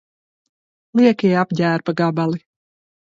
Liekie apģērba gabali